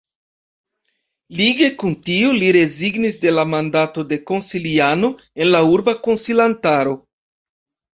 Lige kun tio li rezignis de la mandato de konsiliano en la Urba Konsilantaro.